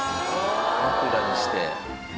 枕にして。